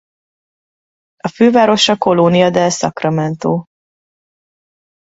A fővárosa Colonia del Sacramento.